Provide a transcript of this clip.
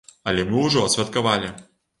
Але мы ўжо адсвяткавалі.